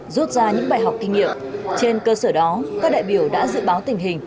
rút ra những bài học kinh nghiệm trên cơ sở đó các đại biểu đã dự báo tình hình